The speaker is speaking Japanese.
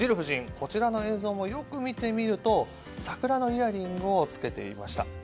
こちらの映像をよく見てみると桜のイヤリングを着けていました。